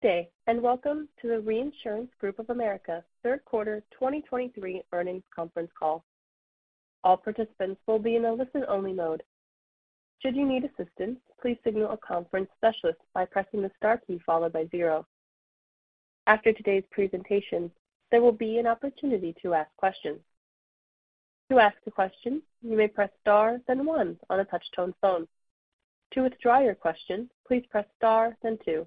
Good day, and welcome to the Reinsurance Group of America third quarter 2023 earnings conference call. All participants will be in a listen-only mode. Should you need assistance, please signal a conference specialist by pressing the star key followed by zero. After today's presentation, there will be an opportunity to ask questions. To ask a question, you may press star, then one on a touch-tone phone. To withdraw your question, please press star, then two.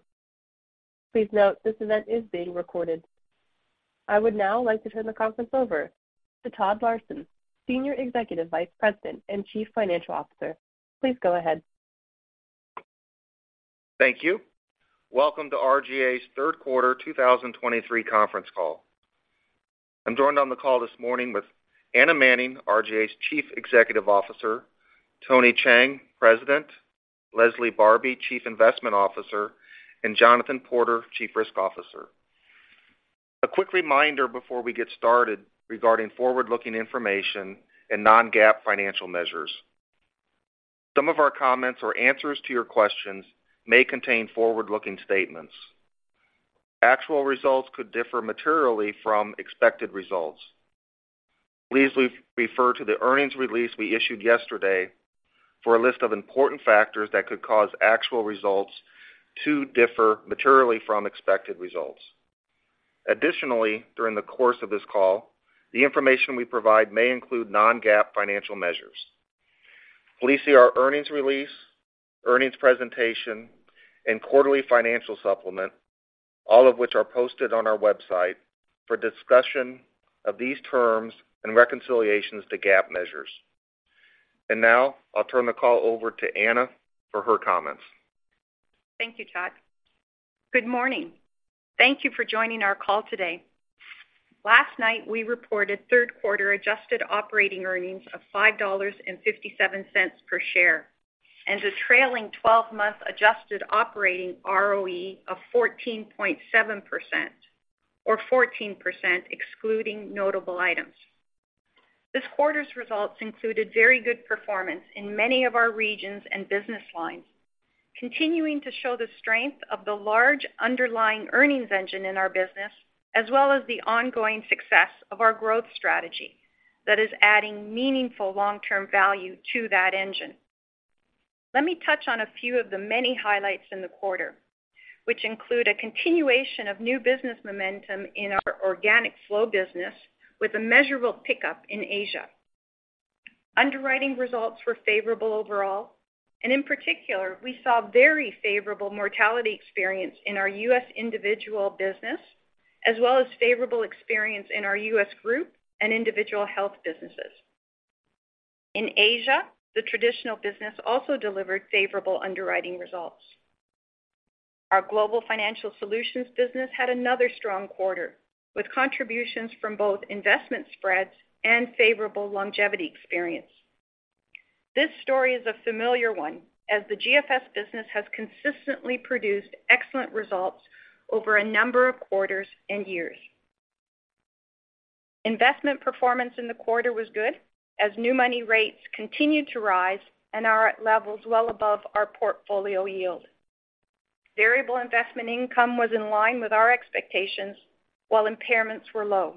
Please note, this event is being recorded. I would now like to turn the conference over to Todd Larson, Senior Executive Vice President and Chief Financial Officer. Please go ahead. Thank you. Welcome to RGA's third quarter 2023 conference call. I'm joined on the call this morning with Anna Manning, RGA's Chief Executive Officer, Tony Cheng, President, Leslie Barbi, Chief Investment Officer, and Jonathan Porter, Chief Risk Officer. A quick reminder before we get started regarding forward-looking information and non-GAAP financial measures. Some of our comments or answers to your questions may contain forward-looking statements. Actual results could differ materially from expected results. Please refer to the earnings release we issued yesterday for a list of important factors that could cause actual results to differ materially from expected results. Additionally, during the course of this call, the information we provide may include non-GAAP financial measures. Please see our earnings release, earnings presentation, and quarterly financial supplement, all of which are posted on our website, for discussion of these terms and reconciliations to GAAP measures. Now I'll turn the call over to Anna for her comments. Thank you, Todd. Good morning. Thank you for joining our call today. Last night, we reported third quarter adjusted operating earnings of $5.57 per share, and a trailing 12-month adjusted operating ROE of 14.7%, or 14%, excluding notable items. This quarter's results included very good performance in many of our regions and business lines, continuing to show the strength of the large underlying earnings engine in our business, as well as the ongoing success of our growth strategy that is adding meaningful long-term value to that engine. Let me touch on a few of the many highlights in the quarter, which include a continuation of new business momentum in our organic flow business with a measurable pickup in Asia. Underwriting results were favorable overall, and in particular, we saw very favorable mortality experience in our U.S. individual business, as well as favorable experience in our U.S. group and individual health businesses. In Asia, the Traditional business also delivered favorable underwriting results. Our Global Financial Solutions business had another strong quarter, with contributions from both investment spreads and favorable Longevity experience. This story is a familiar one as the GFS business has consistently produced excellent results over a number of quarters and years. Investment performance in the quarter was good, as new money rates continued to rise and are at levels well above our portfolio yield. Variable investment income was in line with our expectations, while impairments were low.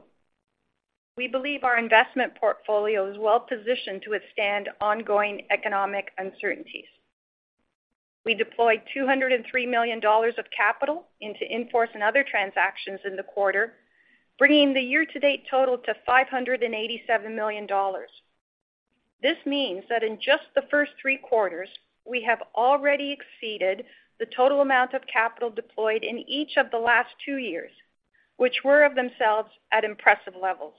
We believe our investment portfolio is well positioned to withstand ongoing economic uncertainties. We deployed $203 million of capital into in-force and other transactions in the quarter, bringing the year-to-date total to $587 million. This means that in just the first three quarters, we have already exceeded the total amount of capital deployed in each of the last two years, which were of themselves at impressive levels.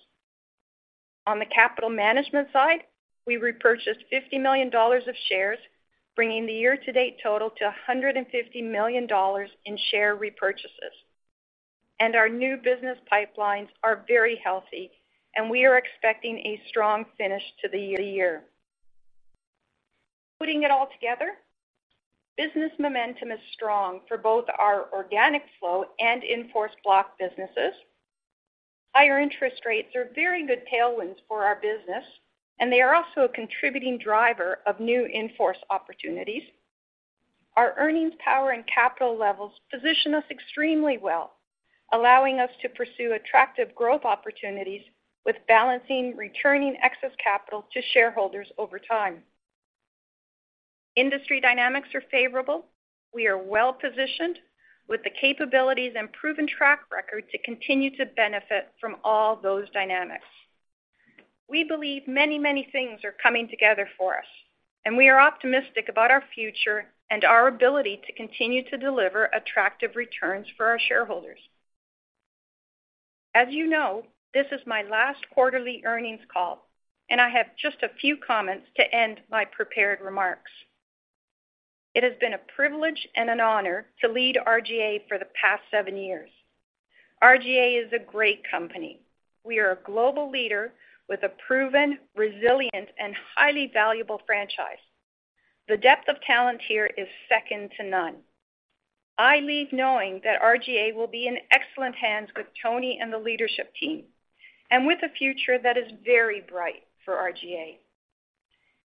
On the capital management side, we repurchased $50 million of shares, bringing the year-to-date total to $150 million in share repurchases. Our new business pipelines are very healthy, and we are expecting a strong finish to the year. Putting it all together, business momentum is strong for both our organic flow and in-force block businesses. Higher interest rates are very good tailwinds for our business, and they are also a contributing driver of new in-force opportunities. Our earnings power and capital levels position us extremely well, allowing us to pursue attractive growth opportunities with balancing, returning excess capital to shareholders over time. Industry dynamics are favorable. We are well-positioned with the capabilities and proven track record to continue to benefit from all those dynamics. We believe many, many things are coming together for us, and we are optimistic about our future and our ability to continue to deliver attractive returns for our shareholders. As you know, this is my last quarterly earnings call, and I have just a few comments to end my prepared remarks. It has been a privilege and an honor to lead RGA for the past seven years. RGA is a great company. We are a global leader with a proven, resilient, and highly valuable franchise. The depth of talent here is second to none. I leave knowing that RGA will be in excellent hands with Tony and the leadership team, and with a future that is very bright for RGA,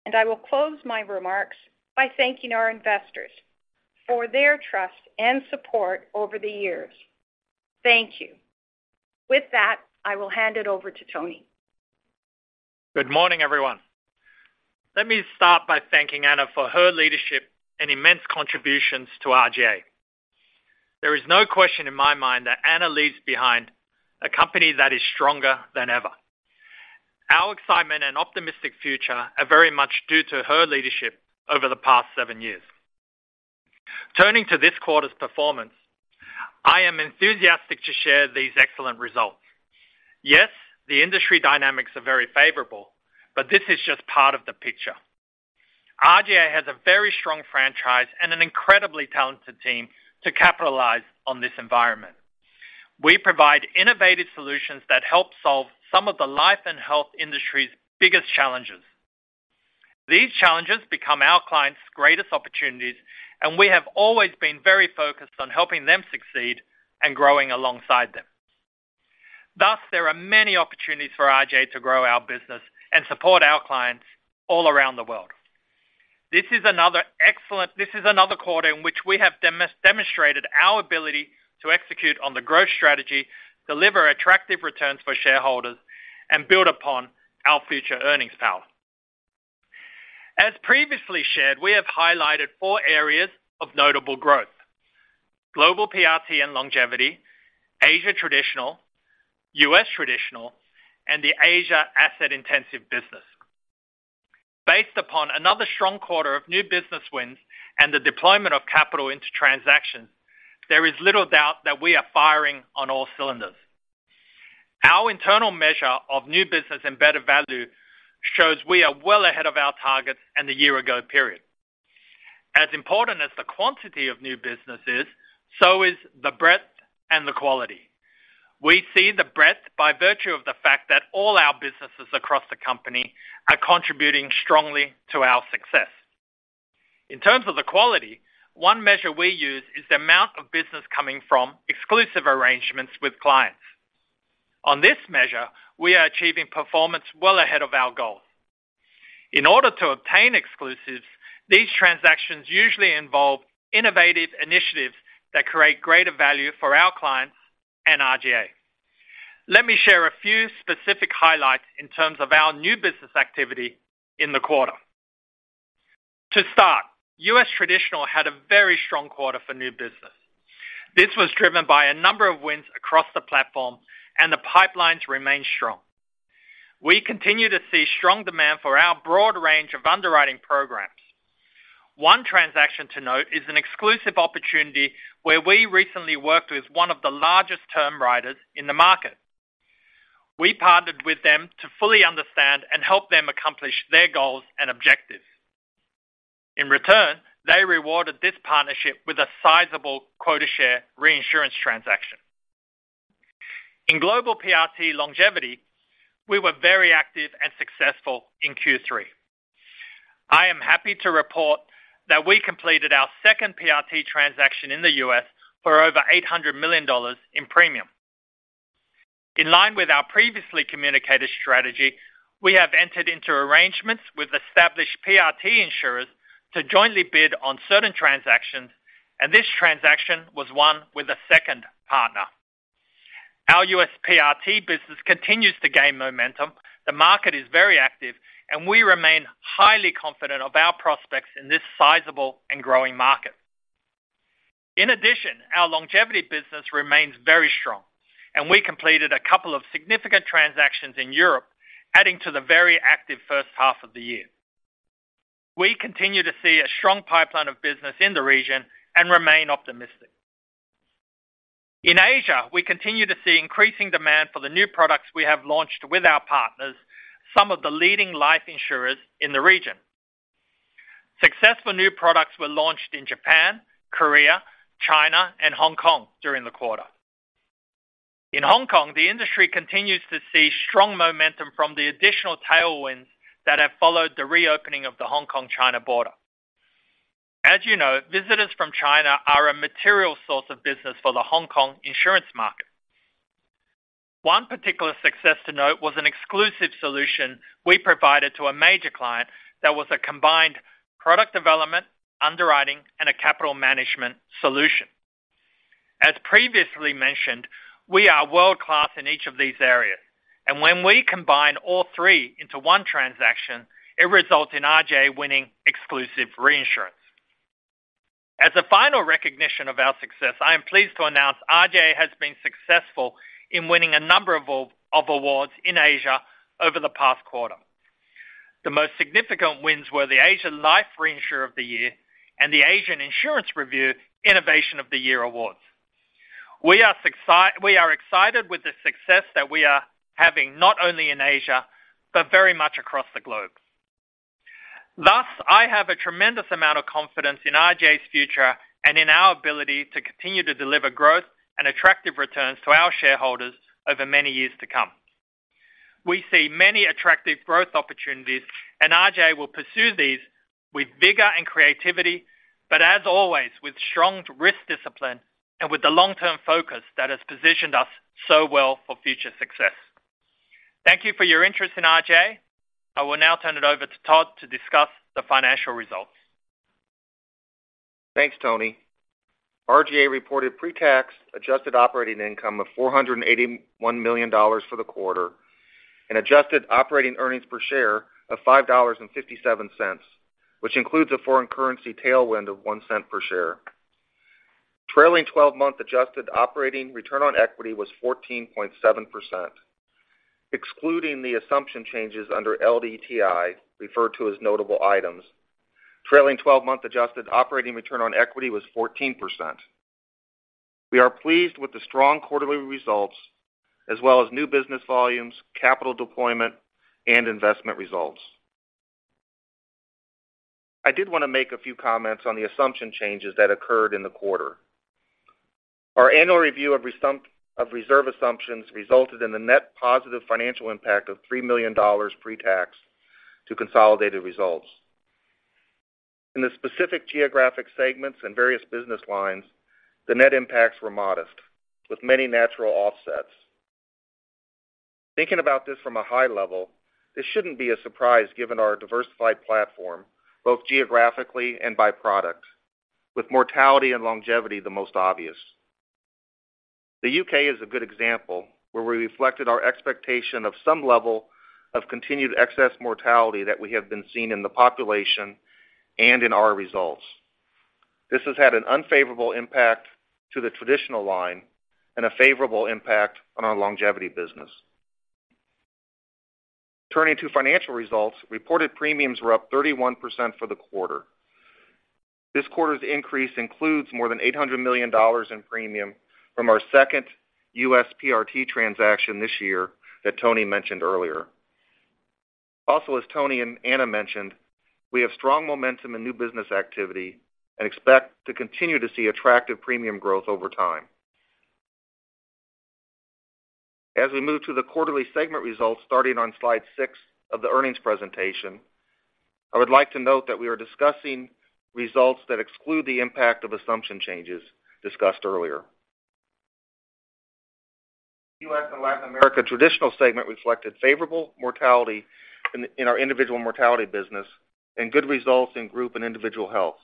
and I will close my remarks by thanking our investors for their trust and support over the years. Thank you. With that, I will hand it over to Tony. Good morning, everyone. Let me start by thanking Anna for her leadership and immense contributions to RGA. There is no question in my mind that Anna leaves behind a company that is stronger than ever. Our excitement and optimistic future are very much due to her leadership over the past seven years. Turning to this quarter's performance, I am enthusiastic to share these excellent results. Yes, the industry dynamics are very favorable, but this is just part of the picture. RGA has a very strong franchise and an incredibly talented team to capitalize on this environment. We provide innovative solutions that help solve some of the life and health industry's biggest challenges. These challenges become our clients' greatest opportunities, and we have always been very focused on helping them succeed and growing alongside them. Thus, there are many opportunities for RGA to grow our business and support our clients all around the world. This is another excellent quarter in which we have demonstrated our ability to execute on the growth strategy, deliver attractive returns for shareholders, and build upon our future earnings power. As previously shared, we have highlighted four areas of notable growth: Global PRT and Longevity, Asia Traditional, U.S. Traditional, and the Asia Asset-Intensive business. Based upon another strong quarter of new business wins and the deployment of capital into transactions, there is little doubt that we are firing on all cylinders. Our internal measure of new business and better value shows we are well ahead of our targets and the year-ago period. As important as the quantity of new business is, so is the breadth and the quality. We see the breadth by virtue of the fact that all our businesses across the company are contributing strongly to our success. In terms of the quality, one measure we use is the amount of business coming from exclusive arrangements with clients. On this measure, we are achieving performance well ahead of our goal. In order to obtain exclusives, these transactions usually involve innovative initiatives that create greater value for our clients and RGA. Let me share a few specific highlights in terms of our new business activity in the quarter. To start, U.S. Traditional had a very strong quarter for new business. This was driven by a number of wins across the platform, and the pipelines remain strong. We continue to see strong demand for our broad range of underwriting programs. One transaction to note is an exclusive opportunity where we recently worked with one of the largest term writers in the market. We partnered with them to fully understand and help them accomplish their goals and objectives. In return, they rewarded this partnership with a sizable quota share reinsurance transaction. In Global PRT Longevity, we were very active and successful in Q3. I am happy to report that we completed our second PRT transaction in the U.S. for over $800 million in premium. In line with our previously communicated strategy, we have entered into arrangements with established PRT insurers to jointly bid on certain transactions, and this transaction was one with a second partner. Our U.S. PRT business continues to gain momentum. The market is very active, and we remain highly confident of our prospects in this sizable and growing market. In addition, our Longevity business remains very strong, and we completed a couple of significant transactions in Europe, adding to the very active first half of the year. We continue to see a strong pipeline of business in the region and remain optimistic. In Asia, we continue to see increasing demand for the new products we have launched with our partners, some of the leading life insurers in the region. Successful new products were launched in Japan, Korea, China, and Hong Kong during the quarter. In Hong Kong, the industry continues to see strong momentum from the additional tailwinds that have followed the reopening of the Hong Kong-China border. As you know, visitors from China are a material source of business for the Hong Kong insurance market. One particular success to note was an exclusive solution we provided to a major client that was a combined product development, underwriting, and a capital management solution. As previously mentioned, we are world-class in each of these areas, and when we combine all three into one transaction, it results in RGA winning exclusive reinsurance. As a final recognition of our success, I am pleased to announce RGA has been successful in winning a number of awards in Asia over the past quarter. The most significant wins were the Asian Life Reinsurer of the Year and the Asian Insurance Review Innovation of the Year awards. We are excited with the success that we are having, not only in Asia, but very much across the globe. Thus, I have a tremendous amount of confidence in RGA's future and in our ability to continue to deliver growth and attractive returns to our shareholders over many years to come. We see many attractive growth opportunities, and RGA will pursue these with vigor and creativity, but as always, with strong risk discipline and with the long-term focus that has positioned us so well for future success. Thank you for your interest in RGA. I will now turn it over to Todd to discuss the financial results. Thanks, Tony. RGA reported pretax adjusted operating income of $481 million for the quarter, and adjusted operating earnings per share of $5.57, which includes a foreign currency tailwind of $0.01 per share. Trailing 12-month adjusted operating return on equity was 14.7%. Excluding the assumption changes under LDTI, referred to as notable items, trailing 12-month adjusted operating return on equity was 14%. We are pleased with the strong quarterly results, as well as new business volumes, capital deployment, and investment results. I did want to make a few comments on the assumption changes that occurred in the quarter. Our annual review of reserve assumptions resulted in a net positive financial impact of $3 million pre-tax to consolidated results. In the specific geographic segments and various business lines, the net impacts were modest, with many natural offsets. Thinking about this from a high level, this shouldn't be a surprise given our diversified platform, both geographically and by product, with mortality and Longevity the most obvious. The U.K. is a good example, where we reflected our expectation of some level of continued excess mortality that we have been seeing in the population and in our results. This has had an unfavorable impact to the Traditional line and a favorable impact on our Longevity business. Turning to financial results, reported premiums were up 31% for the quarter. This quarter's increase includes more than $800 million in premium from our second U.S. PRT transaction this year that Tony mentioned earlier. Also, as Tony and Anna mentioned, we have strong momentum in new business activity and expect to continue to see attractive premium growth over time. As we move to the quarterly segment results, starting on slide six of the earnings presentation, I would like to note that we are discussing results that exclude the impact of assumption changes discussed earlier. U.S. and Latin America Traditional segment reflected favorable mortality in our individual mortality business and good results in group and individual health.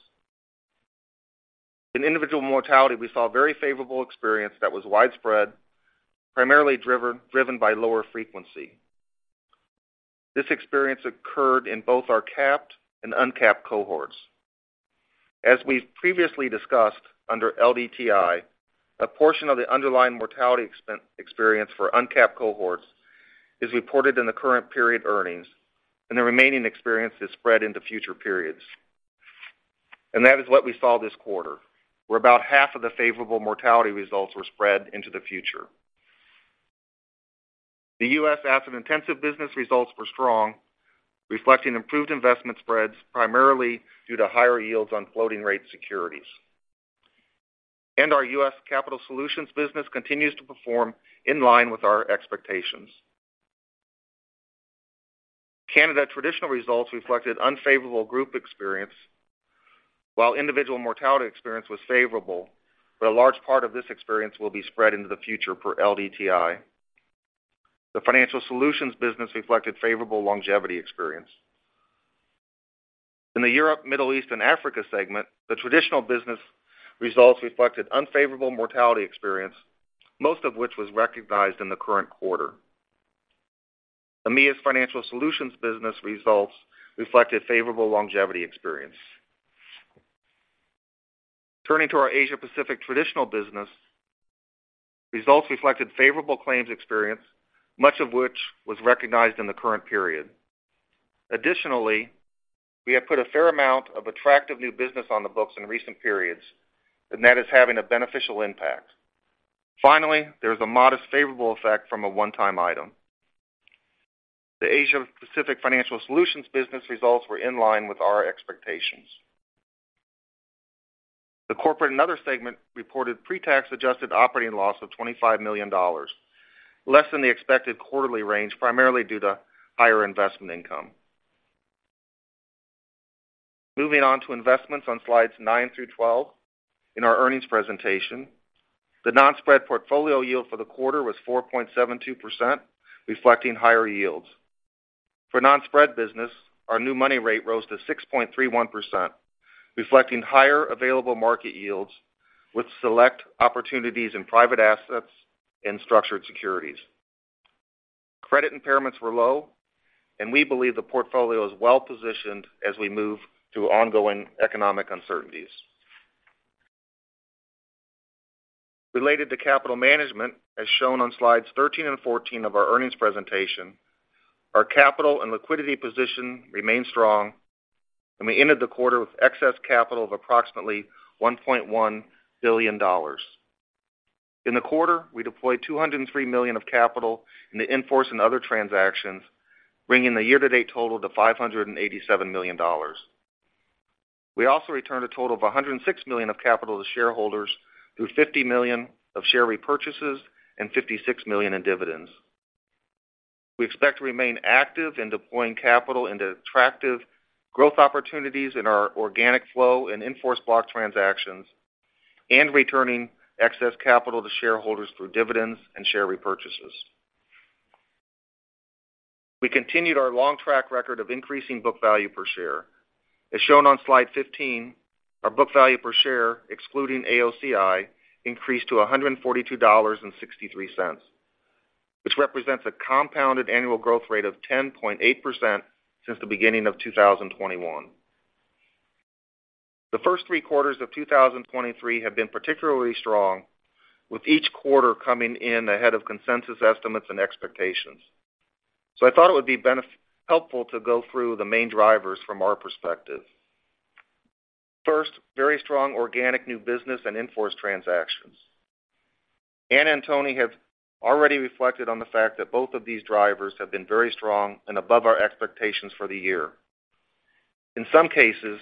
In individual mortality, we saw a very favorable experience that was widespread, primarily driven by lower frequency. This experience occurred in both our capped and uncapped cohorts. As we've previously discussed under LDTI, a portion of the underlying mortality experience for uncapped cohorts is reported in the current period earnings, and the remaining experience is spread into future periods. That is what we saw this quarter, where about half of the favorable mortality results were spread into the future. The U.S. Asset-Intensive business results were strong, reflecting improved investment spreads, primarily due to higher yields on floating rate securities. Our U.S. Capital Solutions business continues to perform in line with our expectations. Canada Traditional results reflected unfavorable group experience, while individual mortality experience was favorable, but a large part of this experience will be spread into the future per LDTI. The Financial Solutions business reflected favorable Longevity experience. In the Europe, Middle East, and Africa segment, the Traditional business results reflected unfavorable mortality experience, most of which was recognized in the current quarter. EMEA's Financial Solutions business results reflected favorable Longevity experience. Turning to our Asia Pacific Traditional business, results reflected favorable claims experience, much of which was recognized in the current period. Additionally, we have put a fair amount of attractive new business on the books in recent periods, and that is having a beneficial impact. Finally, there's a modest favorable effect from a one-time item. The Asia Pacific Financial Solutions business results were in line with our expectations. The corporate and other segment reported pretax adjusted operating loss of $25 million, less than the expected quarterly range, primarily due to higher investment income. Moving on to investments on slides nine through 12 in our earnings presentation, the non-spread portfolio yield for the quarter was 4.72%, reflecting higher yields. For non-spread business, our new money rate rose to 6.31%, reflecting higher available market yields with select opportunities in private assets and structured securities. Credit impairments were low, and we believe the portfolio is well-positioned as we move through ongoing economic uncertainties. Related to capital management, as shown on slides 13 and 14 of our earnings presentation, our capital and liquidity position remains strong, and we ended the quarter with excess capital of approximately $1.1 billion. In the quarter, we deployed $203 million of capital in the in-force and other transactions, bringing the year-to-date total to $587 million. We also returned a total of $106 million of capital to shareholders through $50 million of share repurchases and $56 million in dividends. We expect to remain active in deploying capital into attractive growth opportunities in our organic flow and in-force block transactions, and returning excess capital to shareholders through dividends and share repurchases. We continued our long track record of increasing book value per share. As shown on slide 15, our book value per share, excluding AOCI, increased to $142.63, which represents a compounded annual growth rate of 10.8% since the beginning of 2021. The first three quarters of 2023 have been particularly strong, with each quarter coming in ahead of consensus estimates and expectations. So I thought it would be helpful to go through the main drivers from our perspective. First, very strong organic new business and in-force transactions. Anna and Tony have already reflected on the fact that both of these drivers have been very strong and above our expectations for the year. In some cases,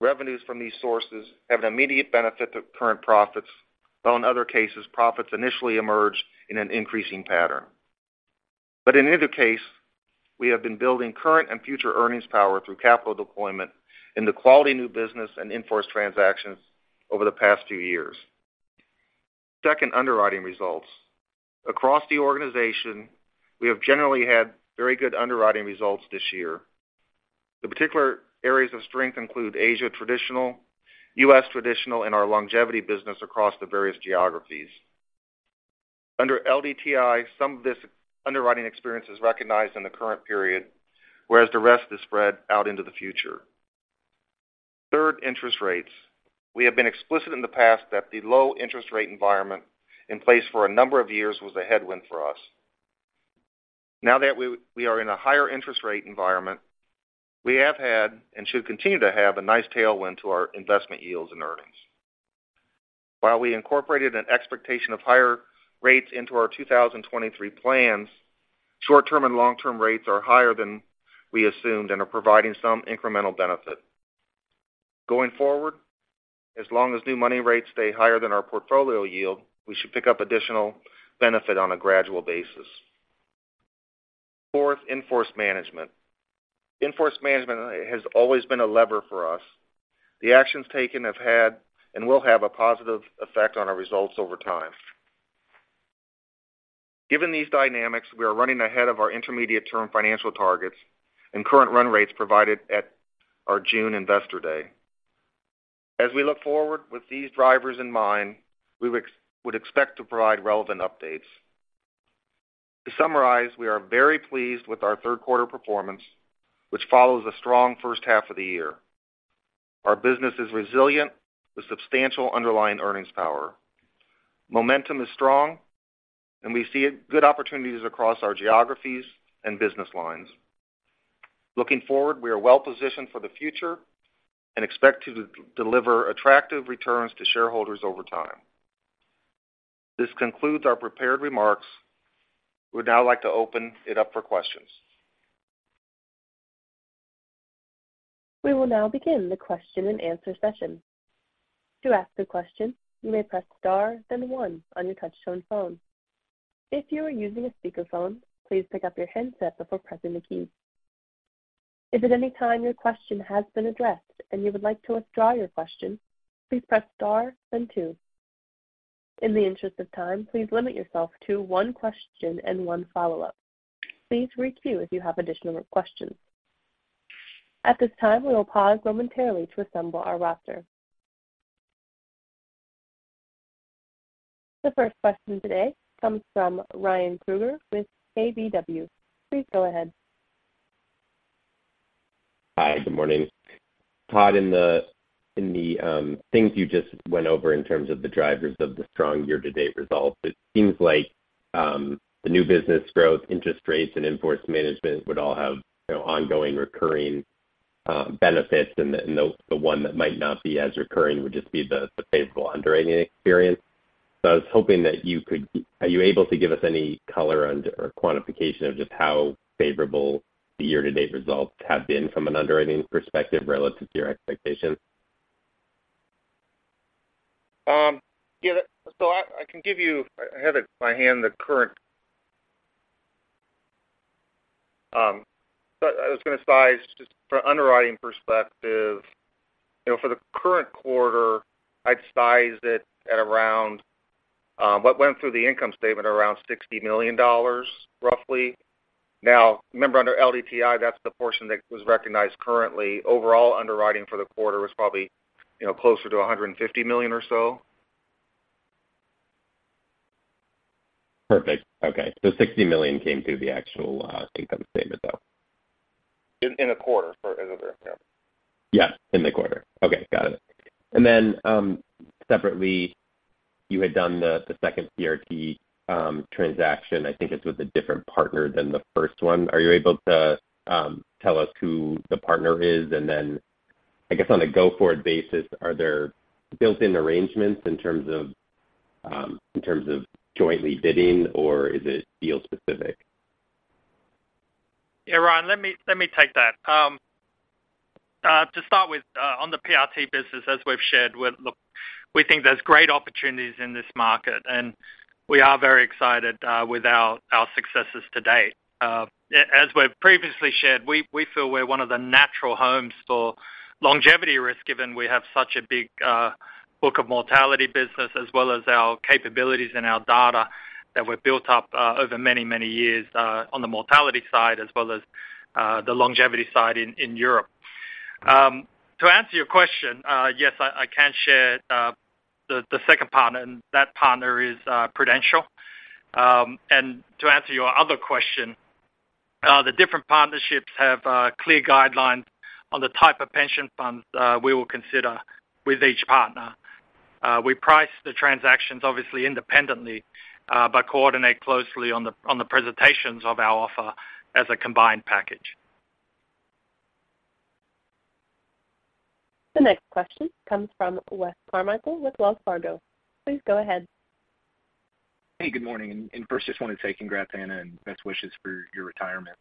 revenues from these sources have an immediate benefit to current profits, while in other cases, profits initially emerge in an increasing pattern. But in either case, we have been building current and future earnings power through capital deployment in the quality new business and in-force transactions over the past few years. Second, underwriting results. Across the organization, we have generally had very good underwriting results this year. The particular areas of strength include Asia Traditional, U.S. Traditional, and our Longevity business across the various geographies. Under LDTI, some of this underwriting experience is recognized in the current period, whereas the rest is spread out into the future. Third, interest rates. We have been explicit in the past that the low interest rate environment in place for a number of years was a headwind for us. Now that we are in a higher interest rate environment, we have had, and should continue to have, a nice tailwind to our investment yields and earnings. While we incorporated an expectation of higher rates into our 2023 plans, short-term and long-term rates are higher than we assumed and are providing some incremental benefit. Going forward, as long as new money rates stay higher than our portfolio yield, we should pick up additional benefit on a gradual basis. Fourth, in-force management. In-force management has always been a lever for us. The actions taken have had and will have a positive effect on our results over time. Given these dynamics, we are running ahead of our intermediate-term financial targets and current run rates provided at our June Investor Day. As we look forward with these drivers in mind, we would expect to provide relevant updates. To summarize, we are very pleased with our third-quarter performance, which follows a strong first half of the year. Our business is resilient, with substantial underlying earnings power. Momentum is strong, and we see good opportunities across our geographies and business lines. Looking forward, we are well-positioned for the future and expect to deliver attractive returns to shareholders over time. This concludes our prepared remarks. We'd now like to open it up for questions. We will now begin the question-and-answer session. To ask a question, you may press star, then one on your touchtone phone. If you are using a speakerphone, please pick up your handset before pressing the key. If at any time your question has been addressed and you would like to withdraw your question, please press star then two. In the interest of time, please limit yourself to one question and one follow-up. Please queue if you have additional questions. At this time, we will pause momentarily to assemble our roster. The first question today comes from Ryan Krueger with KBW. Please go ahead. Hi, good morning. Todd, in the things you just went over in terms of the drivers of the strong year-to-date results, it seems like the new business growth, interest rates, and in-force management would all have, you know, ongoing recurring benefits, and the one that might not be as recurring would just be the favorable underwriting experience. So I was hoping that you could—are you able to give us any color on or quantification of just how favorable the year-to-date results have been from an underwriting perspective relative to your expectations? Yeah, so I can give you, I have it by hand, the current, but I was going to size just from an underwriting perspective. You know, for the current quarter, I'd size it at around, what went through the income statement, around $60 million, roughly. Now, remember, under LDTI, that's the portion that was recognized currently. Overall, underwriting for the quarter was probably, you know, closer to $150 million or so. Perfect. Okay. So $60 million came through the actual income statement, though? In a quarter for, yeah. Yes, in the quarter. Okay, got it. And then, separately, you had done the second PRT transaction. I think it's with a different partner than the first one. Are you able to tell us who the partner is? And then, I guess, on a go-forward basis, are there built-in arrangements in terms of jointly bidding, or is it deal specific? .Yeah, Ryan, let me, let me take that. To start with, on the PRT business, as we've shared, we think there's great opportunities in this market, and we are very excited with our successes to date. As we've previously shared, we feel we're one of the natural homes for Longevity risk, given we have such a big book of mortality business, as well as our capabilities and our data that were built up over many, many years on the mortality side as well as the Longevity side in Europe. To answer your question, yes, I can share the second partner, and that partner is Prudential. And to answer your other question, the different partnerships have clear guidelines on the type of pension funds we will consider with each partner. We price the transactions, obviously, but coordinate closely on the presentations of our offer as a combined package. The next question comes from Wes Carmichael with Wells Fargo. Please go ahead. Hey, good morning. First, just want to say congrats, Anna, and best wishes for your retirement.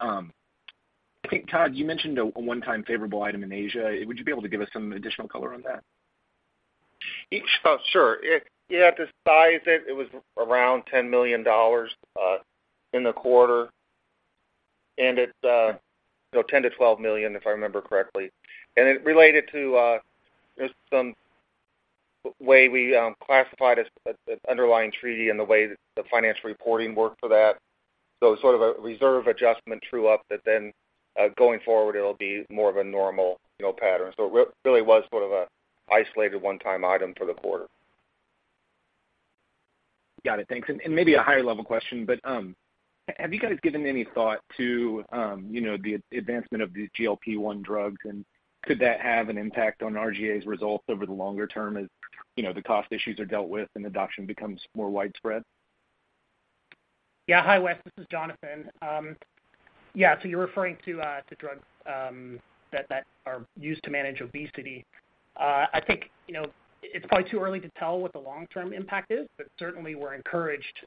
I think, Todd, you mentioned a one-time favorable item in Asia. Would you be able to give us some additional color on that? Sure. If you had to size it, it was around $10 million in the quarter, and it's, you know, $10 million-$12 million, if I remember correctly. And it related to just some way we classified as an underlying treaty and the way the financial reporting worked for that. So sort of a reserve adjustment true up that then going forward, it'll be more of a normal, you know, pattern. So it really was sort of an isolated one-time item for the quarter. Got it. Thanks. And maybe a higher level question, but have you guys given any thought to, you know, the advancement of the GLP-1 drugs, and could that have an impact on RGA's results over the longer term, as you know, the cost issues are dealt with and adoption becomes more widespread? Yeah. Hi, Wes. This is Jonathan. Yeah, so you're referring to drugs that are used to manage obesity. I think, you know, it's probably too early to tell what the long-term impact is, but certainly we're encouraged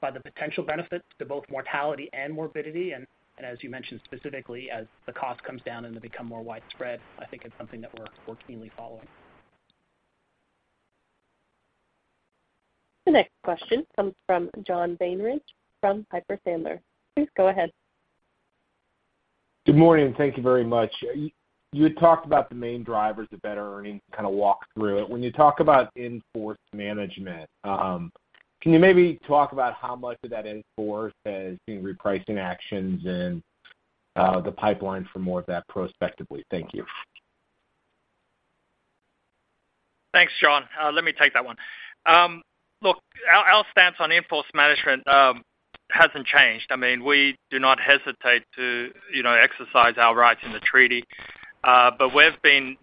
by the potential benefits to both mortality and morbidity, and as you mentioned, specifically, as the cost comes down and they become more widespread, I think it's something that we're keenly following. The next question comes from John Barnidge from Piper Sandler. Please go ahead. Good morning, and thank you very much. You had talked about the main drivers of better earnings, kind of walk through it. When you talk about in-force management, can you maybe talk about how much of that in-force has been repricing actions and, the pipeline for more of that prospectively? Thank you. Thanks, John. Let me take that one. Look, our stance on in-force management hasn't changed. I mean, we do not hesitate to, you know, exercise our rights in the treaty, but we've been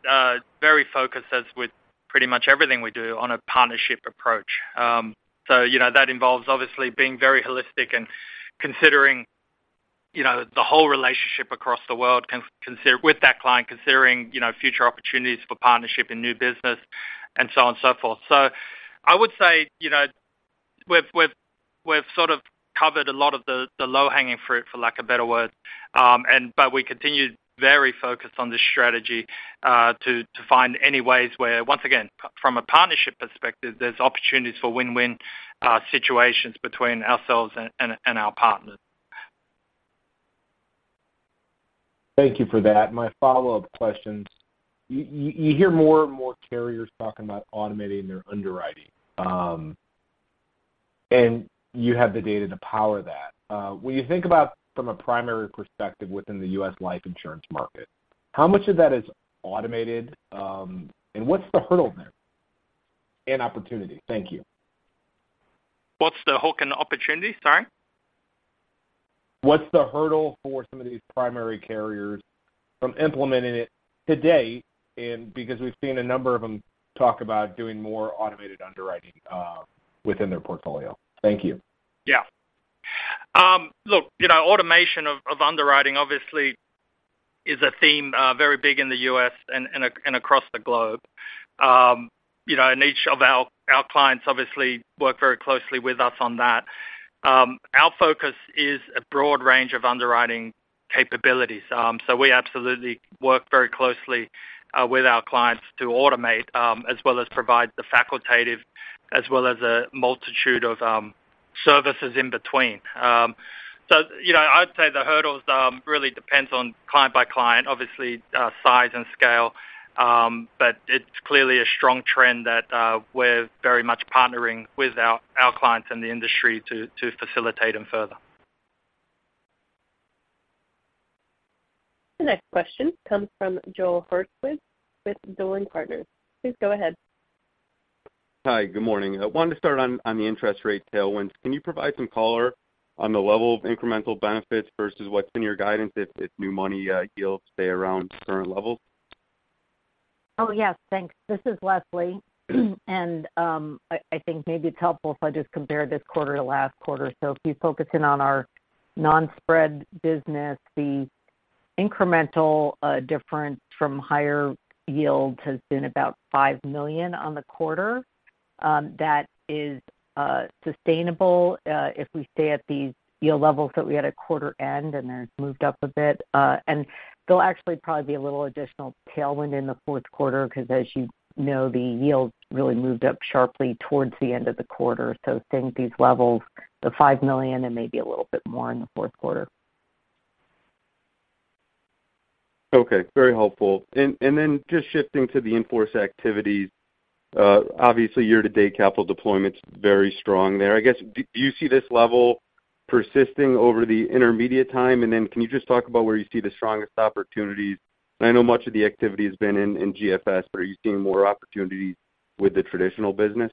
very focused, as with pretty much everything we do, on a partnership approach. So you know, that involves obviously being very holistic and considering, you know, the whole relationship across the world with that client, considering, you know, future opportunities for partnership and new business and so on and so forth. So I would say, you know, we've sort of covered a lot of the low-hanging fruit, for lack of a better word, and but we continue very focused on this strategy, to find any ways where, once again, from a partnership perspective, there's opportunities for win-win situations between ourselves and our partners. Thank you for that. My follow-up question, you hear more and more carriers talking about automating their underwriting, and you have the data to power that. When you think about from a primary perspective within the U.S. life insurance market, how much of that is automated, and what's the hurdle there? And opportunity. Thank you. What's the hook and opportunity? Sorry. What's the hurdle for some of these primary carriers from implementing it today? And because we've seen a number of them talk about doing more automated underwriting within their portfolio. Thank you. Yeah. Look, you know, automation of underwriting obviously is a theme very big in the U.S. and across the globe. You know, and each of our clients obviously work very closely with us on that. Our focus is a broad range of underwriting capabilities. So we absolutely work very closely with our clients to automate as well as provide the facultative as well as a multitude of services in between. So, you know, I'd say the hurdles really depends on client by client, obviously, size and scale, but it's clearly a strong trend that we're very much partnering with our clients and the industry to facilitate them further. The next question comes from Joel Hurwitz with Dowling & Partners. Please go ahead. Hi, good morning. I wanted to start on the interest rate tailwinds. Can you provide some color on the level of incremental benefits versus what's in your guidance if new money yields stay around current levels? Oh, yes. Thanks. This is Leslie, and I think maybe it's helpful if I just compare this quarter to last quarter. So if you focus in on our non-spread business, the incremental difference from higher yields has been about $5 million on the quarter. That is sustainable if we stay at these yield levels that we had at quarter end, and they're moved up a bit. And they'll actually probably be a little additional tailwind in the fourth quarter, 'cause as you know, the yields really moved up sharply towards the end of the quarter. So think these levels, the $5 million and maybe a little bit more in the fourth quarter. Okay, very helpful. And then just shifting to the in-force activities. Obviously, year-to-date capital deployment's very strong there. I guess, do you see this level persisting over the intermediate time? And then can you just talk about where you see the strongest opportunities? I know much of the activity has been in GFS, but are you seeing more opportunities with the Traditional business?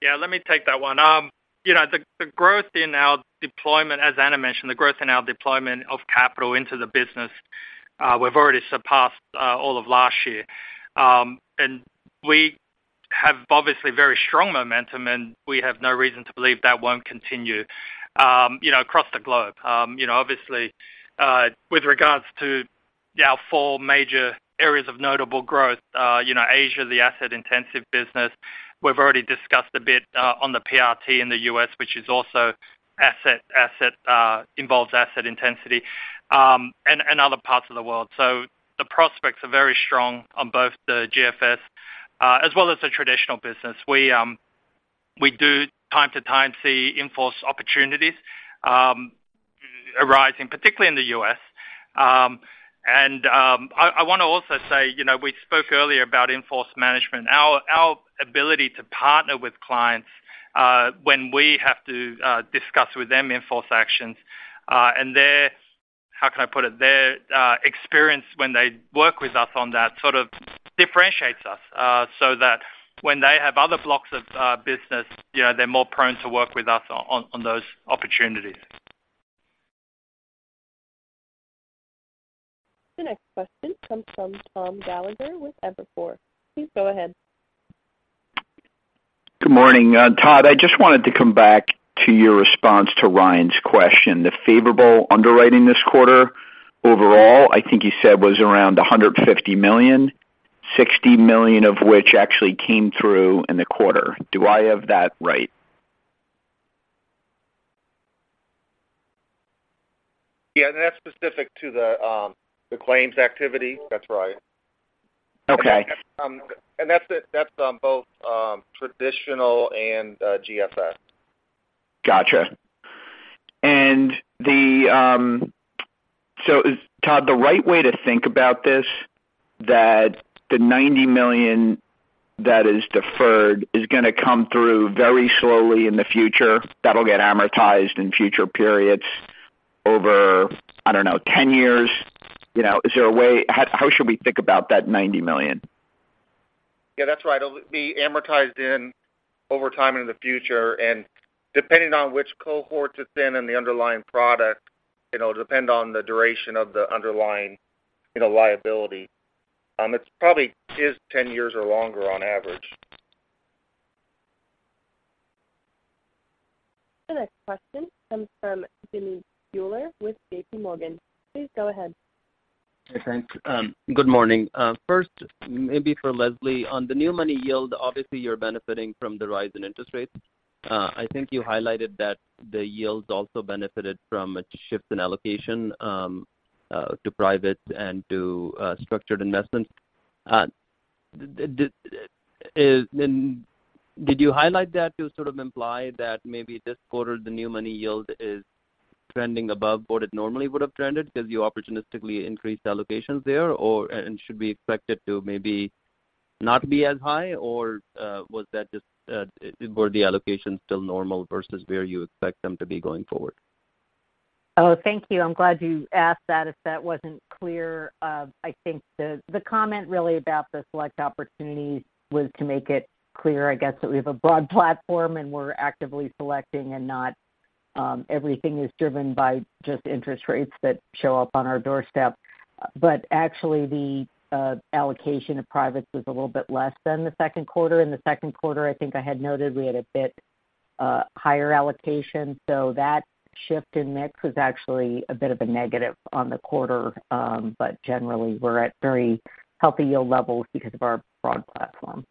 Yeah, let me take that one. You know, the growth in our deployment, as Anna mentioned, the growth in our deployment of capital into the business, we've already surpassed all of last year. We have, obviously, very strong momentum, and we have no reason to believe that won't continue, you know, across the globe. You know, obviously, with regards to our four major areas of notable growth, you know, Asia, the Asset-Intensive business, we've already discussed a bit, on the PRT in the U.S., which is also Asset-Intensive, and other parts of the world. So the prospects are very strong on both the GFS, as well as the Traditional business. We do from time to time see in-force opportunities arising, particularly in the U.S. I want to also say, you know, we spoke earlier about in-force management. Our ability to partner with clients, when we have to, discuss with them in-force actions, and their, how can I put it? Their experience when they work with us on that sort of differentiates us, so that when they have other blocks of business, you know, they're more prone to work with us on those opportunities. The next question comes from Tom Gallagher with Evercore. Please go ahead. Good morning. Todd, I just wanted to come back to your response to Ryan's question. The favorable underwriting this quarter, overall, I think you said was around $150 million, $60 million of which actually came through in the quarter. Do I have that right? Yeah, that's specific to the claims activity. That's right. Okay. That's it. That's on both Traditional and GFS. Gotcha. So is, Todd, the right way to think about this, that the $90 million that is deferred is going to come through very slowly in the future, that'll get amortized in future periods over, I don't know, 10 years? You know, is there a way, how should we think about that $90 million? Yeah, that's right. It'll be amortized over time in the future, and depending on which cohorts it's in and the underlying product, it'll depend on the duration of the underlying, you know, liability. It probably is ten years or longer on average. The next question comes from Jimmy Bhullar with JPMorgan. Please go ahead. Hey, thanks. Good morning. First, maybe for Leslie, on the new money yield, obviously, you're benefiting from the rise in interest rates. I think you highlighted that the yields also benefited from a shift in allocation to private and to structured investments. Then did you highlight that to sort of imply that maybe this quarter, the new money yield is trending above what it normally would have trended because you opportunistically increased allocations there, or, and should we expect it to maybe not be as high, or was that just were the allocations still normal versus where you expect them to be going forward? Oh, thank you. I'm glad you asked that. If that wasn't clear, I think the comment really about the select opportunities was to make it clear, I guess, that we have a broad platform, and we're actively selecting and not everything is driven by just interest rates that show up on our doorstep. But actually, the allocation of privates was a little bit less than the second quarter. In the second quarter, I think I had noted we had a bit higher allocation, so that shift in mix was actually a bit of a negative on the quarter. But generally, we're at very healthy yield levels because of our broad platform.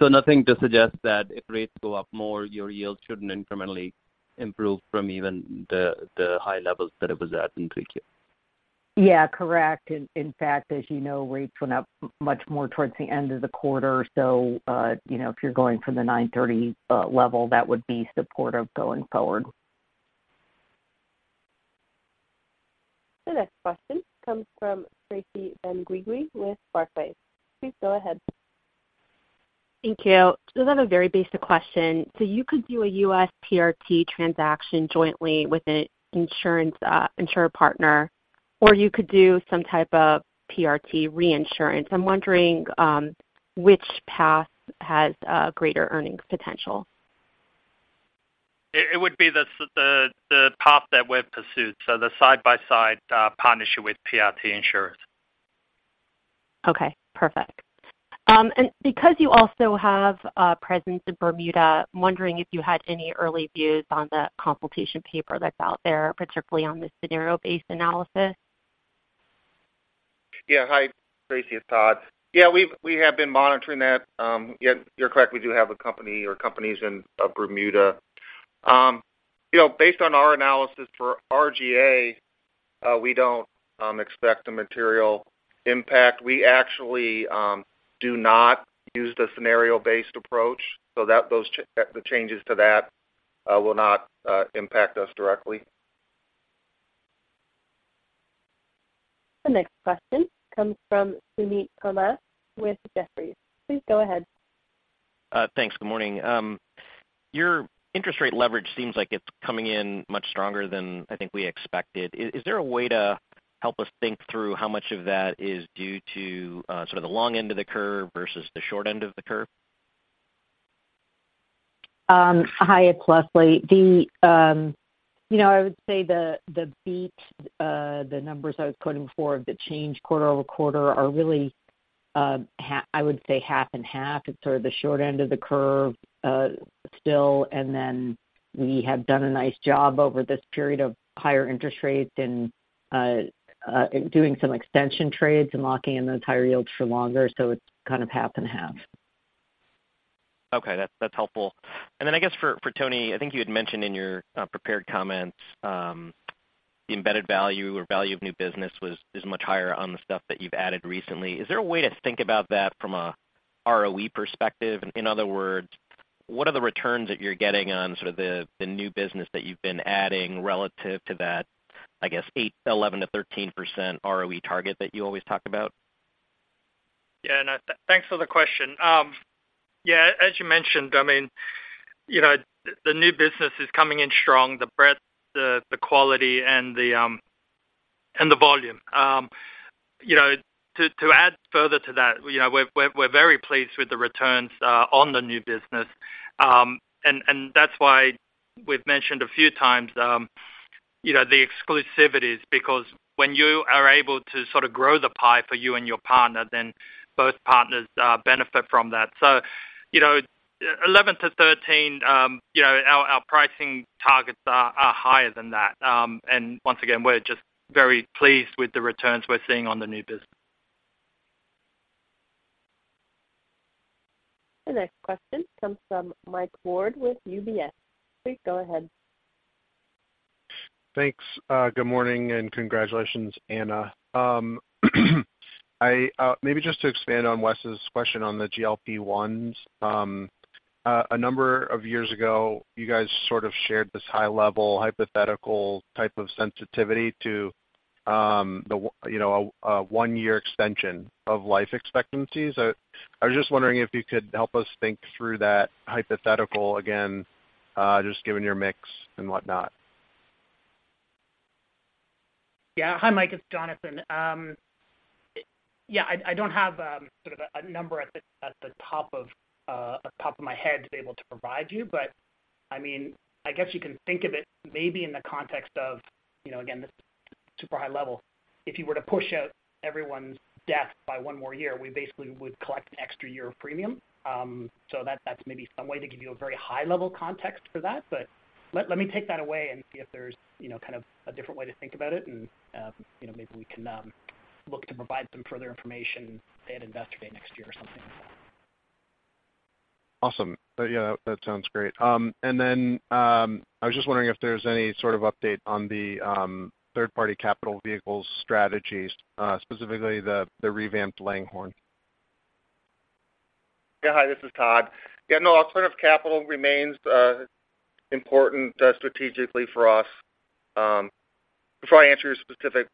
So nothing to suggest that if rates go up more, your yields shouldn't incrementally improve from even the high levels that it was at in 3Q? Yeah, correct. In fact, as you know, rates went up much more towards the end of the quarter. So, you know, if you're going from the 9.30 level, that would be supportive going forward. The next question comes from Tracy Benguigui with Barclays. Please go ahead. Thank you. Just have a very basic question. You could do a U.S. PRT transaction jointly with an insurance insurer partner, or you could do some type of PRT reinsurance. I'm wondering which path has a greater earnings potential? It would be the path that we've pursued, so the side-by-side partnership with PRT insurers. Okay, perfect. And because you also have a presence in Bermuda, wondering if you had any early views on the consultation paper that's out there, particularly on the scenario-based analysis? Yeah. Hi, Tracy, it's Todd. Yeah, we have been monitoring that. Yeah, you're correct. We do have a company or companies in Bermuda. You know, based on our analysis for RGA, we don't expect a material impact. We actually do not use the scenario-based approach, so that the changes to that will not impact us directly. The next question comes from Suneet Kamath with Jefferies. Please go ahead. Thanks. Good morning. Your interest rate leverage seems like it's coming in much stronger than I think we expected. Is there a way to help us think through how much of that is due to sort of the long end of the curve versus the short end of the curve? Hi, it's Leslie. The, you know, I would say the beat, the numbers I was quoting before, the change quarter-over-quarter are really, I would say half and half. It's sort of the short end of the curve, still, and then we have done a nice job over this period of higher interest rates and, doing some extension trades and locking in those higher yields for longer. So it's kind of half and half. Okay, that's, that's helpful. And then I guess for, for Tony, I think you had mentioned in your prepared comments, the embedded value or value of new business was, is much higher on the stuff that you've added recently. Is there a way to think about that from a ROE perspective? In other words, what are the returns that you're getting on sort of the, the new business that you've been adding relative to that, I guess, 8%, 11%-13% ROE target that you always talk about? Yeah, and thanks for the question. Yeah, as you mentioned, I mean, you know, the new business is coming in strong, the breadth, the quality and the volume. You know, to add further to that, you know, we're very pleased with the returns on the new business. And that's why we've mentioned a few times, you know, the exclusivities, because when you are able to sort of grow the pie for you and your partner, then both partners benefit from that. So, you know, 11%-13%, you know, our pricing targets are higher than that. And once again, we're just very pleased with the returns we're seeing on the new business. The next question comes from Mike Ward with UBS. Please go ahead. Thanks. Good morning and congratulations, Anna. I maybe just to expand on Wes' question on the GLP-1s. A number of years ago, you guys sort of shared this high-level, hypothetical type of sensitivity to you know, a one-year extension of life expectancies. I was just wondering if you could help us think through that hypothetical again, just given your mix and whatnot. Yeah. Hi, Mike, it's Jonathan. Yeah, I don't have sort of a number at the top of my head to be able to provide you, but I mean, I guess you can think of it maybe in the context of, you know, again, this super high level. If you were to push out everyone's death by one more year, we basically would collect an extra year of premium. So that, that's maybe some way to give you a very high-level context for that, but let me take that away and see if there's, you know, kind of a different way to think about it. And, you know, maybe we can look to provide some further information at Investor Day next year or something like that. Awesome. But yeah, that sounds great. And then, I was just wondering if there's any sort of update on the third-party capital vehicles strategies, specifically the revamped Langhorne. Yeah. Hi, this is Todd. Yeah, no, alternative capital remains important strategically for us. Before I answer your specific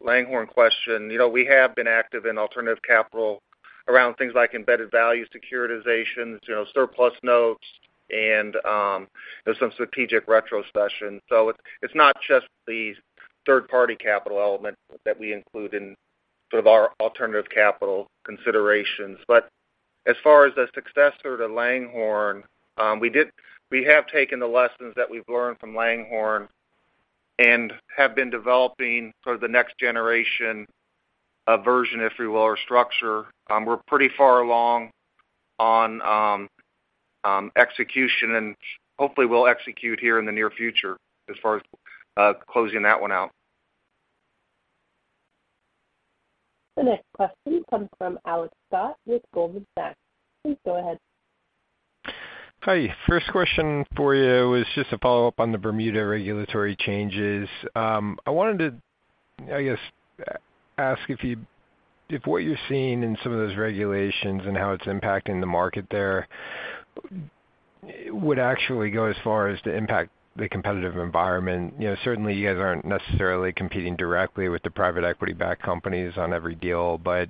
Langhorne question, you know, we have been active in alternative capital around things like embedded value, securitizations, you know, surplus notes and some strategic retrocessions. So it's not just the third-party capital element that we include in sort of our alternative capital considerations. But as far as the successor to Langhorne, we have taken the lessons that we've learned from Langhorne and have been developing sort of the next generation version, if you will, or structure. We're pretty far along on execution, and hopefully we'll execute here in the near future as far as closing that one out. The next question comes from Alex Scott with Goldman Sachs. Please go ahead. Hi, first question for you is just a follow-up on the Bermuda regulatory changes. I wanted to, I guess, ask if you, if what you're seeing in some of those regulations and how it's impacting the market there would actually go as far as to impact the competitive environment? You know, certainly you guys aren't necessarily competing directly with the private equity-backed companies on every deal, but,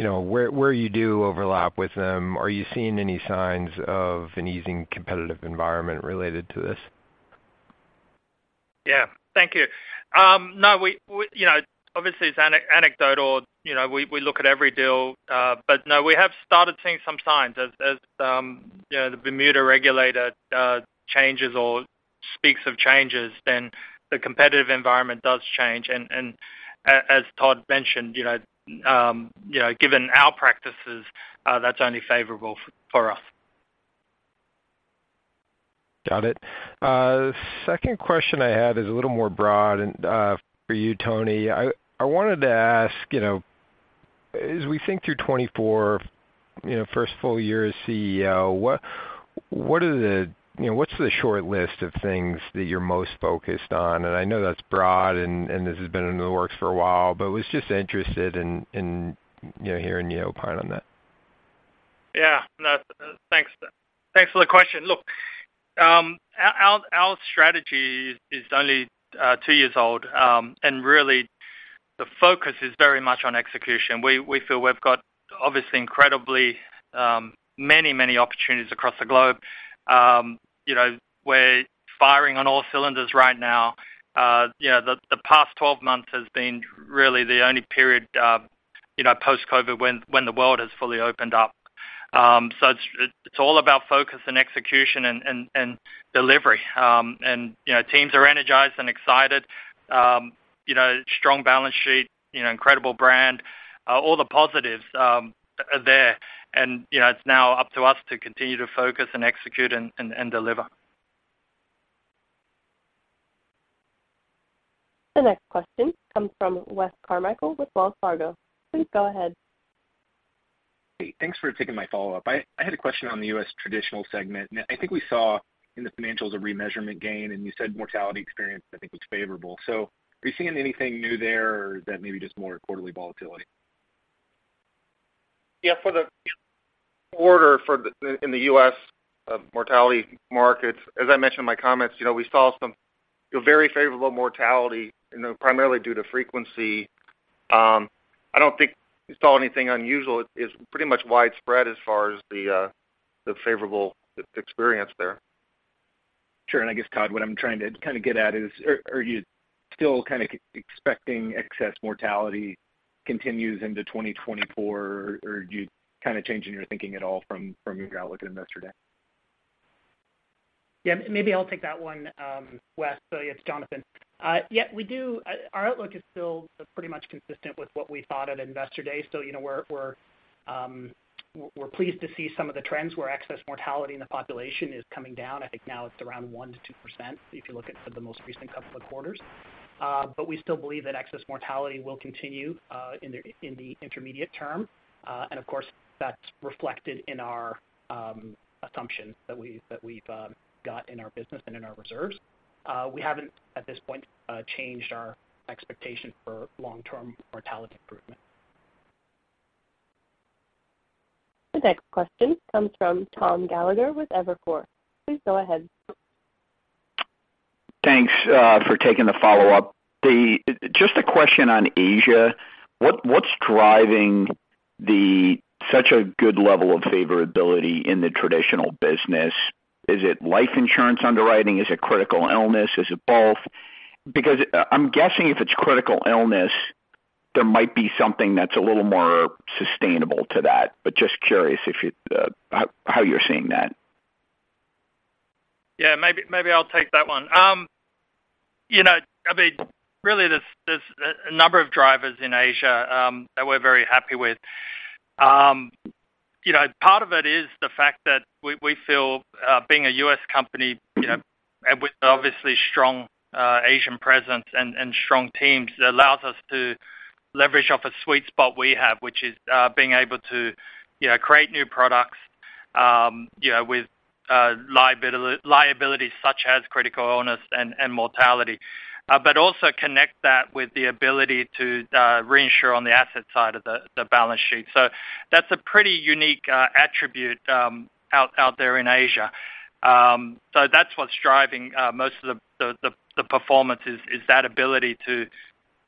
you know, where, where you do overlap with them, are you seeing any signs of an easing competitive environment related to this? Yeah. Thank you. No, we, you know, obviously, it's anecdotal, you know, we look at every deal, but no, we have started seeing some signs as, you know, the Bermuda regulator changes or speaks of changes, then the competitive environment does change. And as Todd mentioned, you know, given our practices, that's only favorable for us. Got it. Second question I had is a little more broad and for you, Tony. I wanted to ask, you know, as we think through 2024, you know, first full year as CEO, what are the, you know, what's the short list of things that you're most focused on? And I know that's broad, and this has been in the works for a while, but was just interested in, you know, hearing you opine on that. Yeah. No, thanks. Thanks for the question. Look, our strategy is only two years old, and really, the focus is very much on execution. We feel we've got obviously incredibly many opportunities across the globe. You know, we're firing on all cylinders right now. Yeah, the past 12 months has been really the only period, you know, post-COVID, when the world has fully opened up. So it's all about focus and execution and delivery. And, you know, teams are energized and excited. You know, strong balance sheet, you know, incredible brand, all the positives are there. And, you know, it's now up to us to continue to focus and execute and deliver. The next question comes from Wes Carmichael with Wells Fargo. Please go ahead. Hey, thanks for taking my follow-up. I had a question on the U.S. Traditional segment. I think we saw in the financials, a remeasurement gain, and you said mortality experience, I think, was favorable. So are you seeing anything new there or is that maybe just more quarterly volatility? Yeah, for the quarter, in the U.S., mortality markets, as I mentioned in my comments, you know, we saw some, you know, very favorable mortality, you know, primarily due to frequency. I don't think we saw anything unusual. It's pretty much widespread as far as the favorable experience there. Sure. And I guess, Todd, what I'm trying to kind of get at is, are you still kind of expecting excess mortality continues into 2024, or are you kind of changing your thinking at all from your outlook at Investor Day? Yeah, maybe I'll take that one, Wes. So it's Jonathan. Yeah, we do. Our outlook is still pretty much consistent with what we thought at Investor Day. So, you know, we're pleased to see some of the trends where excess mortality in the population is coming down. I think now it's around 1%-2%, if you look at the most recent couple of quarters. But we still believe that excess mortality will continue in the intermediate term. And of course, that's reflected in our assumption that we've got in our business and in our reserves. We haven't, at this point, changed our expectation for long-term mortality improvement. The next question comes from Tom Gallagher with Evercore. Please go ahead. Thanks for taking the follow-up. Just a question on Asia. What's driving such a good level of favorability in the Traditional business? Is it life insurance underwriting? Is it critical illness? Is it both? Because I'm guessing if it's critical illness, there might be something that's a little more sustainable to that. But just curious if you how you're seeing that. Yeah, maybe I'll take that one. You know, I mean, really, there's a number of drivers in Asia that we're very happy with. You know, part of it is the fact that we feel, being a U.S. company, you know, and with obviously strong Asian presence and strong teams, allows us to leverage off a sweet spot we have, which is being able to, you know, create new products, you know, with liabilities such as Critical Illness and mortality. But also connect that with the ability to reinsure on the asset side of the balance sheet. So that's a pretty unique attribute out there in Asia. So that's what's driving most of the performance, is that ability to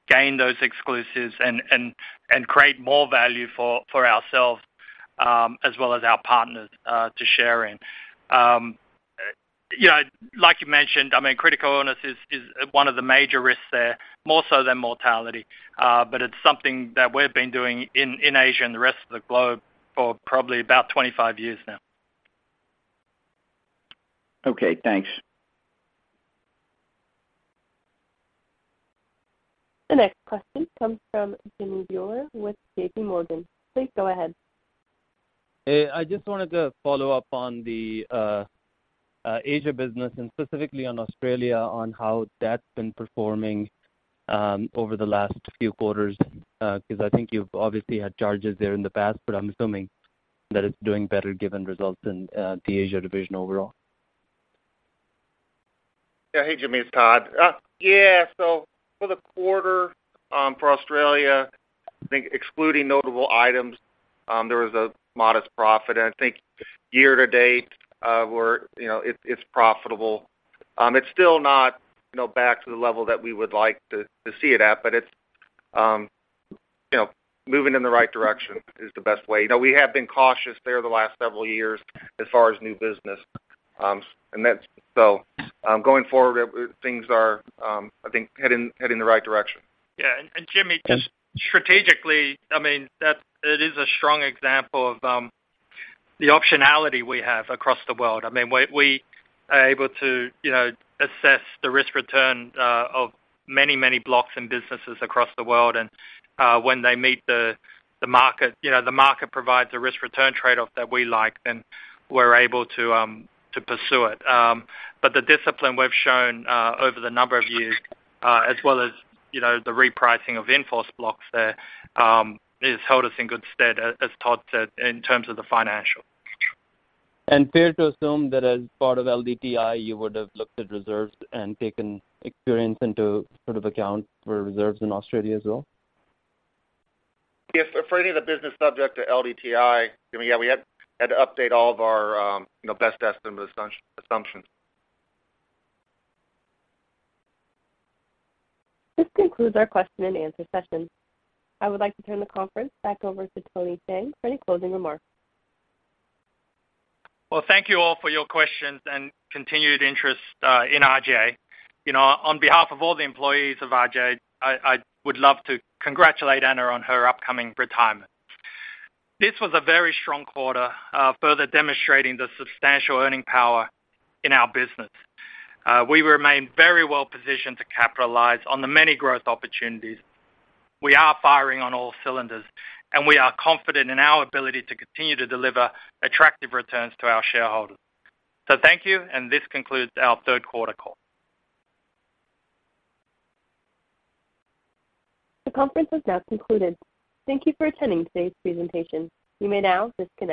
gain those exclusives and create more value for ourselves as well as our partners to share in. You know, like you mentioned, I mean, critical illness is one of the major risks there, more so than mortality. But it's something that we've been doing in Asia and the rest of the globe for probably about 25 years now. Okay, thanks. The next question comes from Jimmy Bhullar with JPMorgan. Please go ahead. I just wanted to follow up on the Asia business and specifically on Australia, on how that's been performing over the last few quarters. Because I think you've obviously had charges there in the past, but I'm assuming that it's doing better given results in the Asia division overall. Yeah. Hey, Jimmy, it's Todd. Yeah, so for the quarter, for Australia, I think excluding notable items, there was a modest profit. I think year to date, we're, you know, it, it's profitable. It's still not, you know, back to the level that we would like to, to see it at, but it's, you know, moving in the right direction is the best way. You know, we have been cautious there the last several years as far as new business, and that's—so, going forward, things are, I think, heading, heading in the right direction. Yeah. Jimmy, just strategically, I mean, that it is a strong example of the optionality we have across the world. I mean, we are able to, you know, assess the risk return of many, many blocks and businesses across the world. And when they meet the market, you know, the market provides a risk-return trade-off that we like, then we're able to to pursue it. But the discipline we've shown over the number of years, as well as, you know, the repricing of in-force blocks there, has held us in good stead, as Todd said, in terms of the financial. Fair to assume that as part of LDTI, you would have looked at reserves and taken experience into sort of account for reserves in Australia as well? Yes, for any of the business subject to LDTI, I mean, yeah, we had to update all of our, you know, best estimate assumptions. This concludes our question-and-answer session. I would like to turn the conference back over to Tony Cheng for any closing remarks. Well, thank you all for your questions and continued interest in RGA. You know, on behalf of all the employees of RGA, I, I would love to congratulate Anna on her upcoming retirement. This was a very strong quarter, further demonstrating the substantial earning power in our business. We remain very well positioned to capitalize on the many growth opportunities. We are firing on all cylinders, and we are confident in our ability to continue to deliver attractive returns to our shareholders. So thank you, and this concludes our third quarter call. The conference has now concluded. Thank you for attending today's presentation. You may now disconnect.